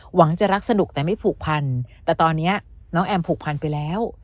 หวังจะรักสนุกแต่ไม่ผูกพันแต่ตอนนี้น้องแอมผูกพันไปแล้ว